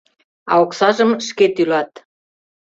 А оксажым шке тӱлат.